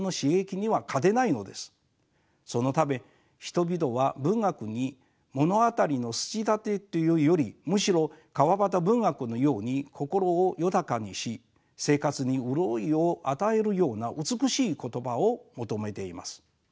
そのため人々は文学に物語の筋立てというよりむしろ川端文学のように心を豊かにし生活に潤いを与えるような美しい言葉を求めています。